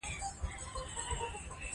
افغانستان د سلیمان غر پلوه ځانګړتیاوې لري.